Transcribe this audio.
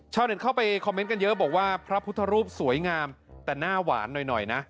เข้าไปคอมเมนต์กันเยอะบอกว่าพระพุทธรูปสวยงามแต่หน้าหวานหน่อยนะ